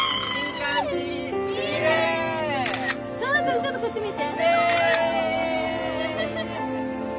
ちょっとこっち向いて。